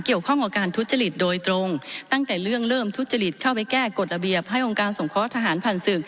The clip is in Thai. เกี่ยวข้องกับการทุจริตโดยตรงตั้งแต่เรื่องเริ่มทุจริตเข้าไปแก้กฎระเบียบให้องค์การสงเคราะห์ทหารผ่านศึก